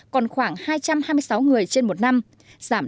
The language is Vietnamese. còn khoảng hai trăm hai mươi sáu người trên một năm giảm